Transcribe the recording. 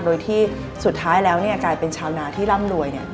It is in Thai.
โดยที่สุดท้ายแล้วกลายเป็นชาวนาที่ร่ำรวย